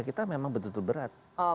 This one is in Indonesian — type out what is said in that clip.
kita memang betul betul berat